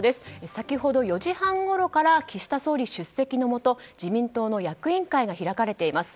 先ほど４時半ごろから岸田総理出席のもと自民党役員会が開かれています。